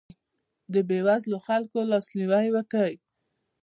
د بېوزلو خلکو لاسنیوی وکړئ.